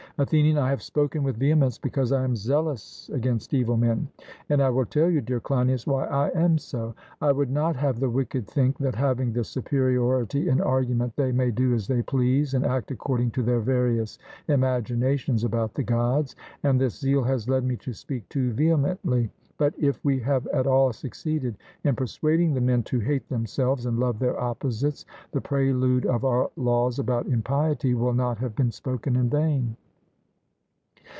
ATHENIAN: I have spoken with vehemence because I am zealous against evil men; and I will tell you, dear Cleinias, why I am so. I would not have the wicked think that, having the superiority in argument, they may do as they please and act according to their various imaginations about the Gods; and this zeal has led me to speak too vehemently; but if we have at all succeeded in persuading the men to hate themselves and love their opposites, the prelude of our laws about impiety will not have been spoken in vain.